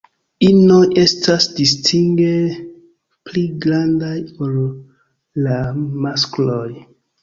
Inoj estas distinge pli grandaj ol la maskloj.